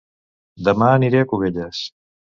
Dema aniré a Cubelles